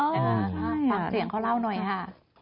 ฟังเสียงเขาเล่าหน่อยค่ะ